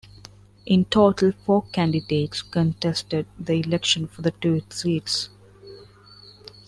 In total four candidates contested the election for the two seats.